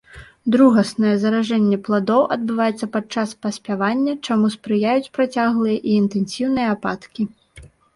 Другаснае заражэнне пладоў адбываецца падчас паспявання, чаму спрыяюць працяглыя і інтэнсіўныя ападкі.